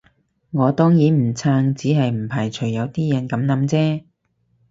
我當然唔撐，只係唔排除有啲人噉諗啫